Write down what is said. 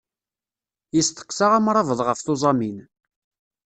Yestaqsa amṛabeḍ ɣef tuẓamin.